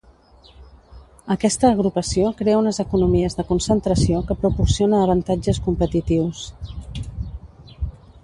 Aquesta agrupació crea unes economies de concentració que proporciona avantatges competitius.